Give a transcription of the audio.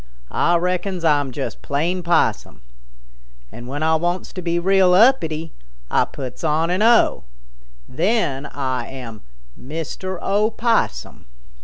"Ah reckons Ah'm just plain Possum. When Ah wants to be real uppity, Ah puts on an 'o.' Then Ah am Mister Opossum."